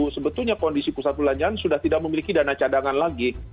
sebetulnya kondisi pusat perbelanjaan sudah tidak memiliki dana cadangan lagi